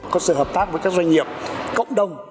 có sự hợp tác với các doanh nghiệp cộng đồng